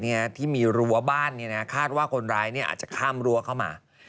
ที่มีที่มีรั้วบ้านคาดว่าคนร้ายอาจจะค่ำรั้วเข้ามา